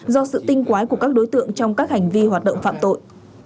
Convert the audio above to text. do sự tinh quái của các đối tượng trong các hành vi hoạt động phạm tội